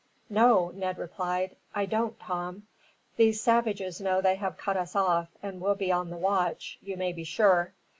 "No," Ned replied. "I don't, Tom. These savages know that they have cut us off, and will be on the watch, you may be sure.